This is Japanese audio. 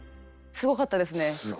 すごかったですね。